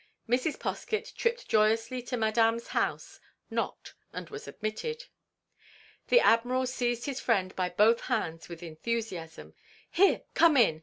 Mrs. Poskett tripped joyously to Madame's house; knocked, and was admitted. The Admiral seized his friend by both hands with enthusiasm. "Here! Come in!